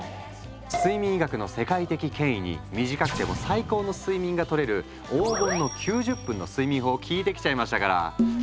睡眠医学の世界的権威に短くても最高の睡眠がとれる「黄金の９０分」の睡眠法を聞いてきちゃいましたから。